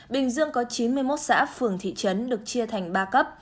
bình dương có chín mươi một xã phường thị trấn được chia thành ba cấp